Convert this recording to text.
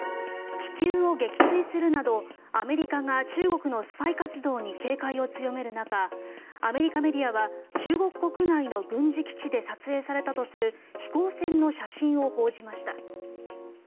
気球を撃墜するなどアメリカが中国のスパイ活動に警戒を強める中アメリカメディアは中国国内の軍事基地で撮影されたとする飛行船の写真を報じました。